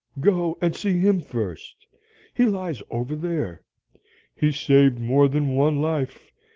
Go, and see him first. He lies over there. He saved more than one life.